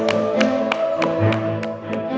pondok pesantren kun anta